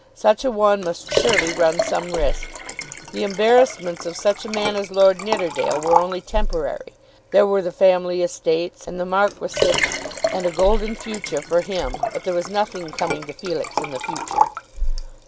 Such a one must surely run some risk. The embarrassments of such a man as Lord Nidderdale were only temporary. There were the family estates, and the marquisate, and a golden future for him; but there was nothing coming to Felix in the future.